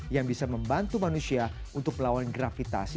yang bisa membantu manusia untuk melawan gravitasi